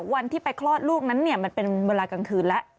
วันที่ไปคลอดลูกนั้นมันเป็นเวลากลางคืนแล้ว